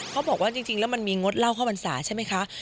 เขาบอกว่าจริงแล้วมันมีงดเหล้าเข้าพรรษาใช่ไหมคะ